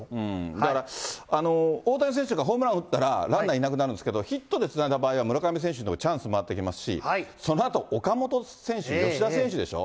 だから、大谷選手がホームラン打ったら、ランナーいなくなるんですけど、ヒットでつないだ場合は村上選手にチャンス回ってきますし、そのあと岡本選手、吉田選手でしょ。